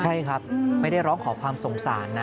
ใช่ครับไม่ได้ร้องขอความสงสารนะ